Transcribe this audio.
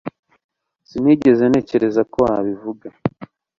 Sinigeze ntekereza ko wabivuga